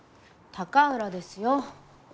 高浦ですよ。